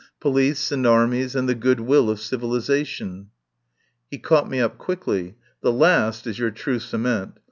"Police and armies and the good will of civilisation." He caught me up quickly. "The last is your true cement.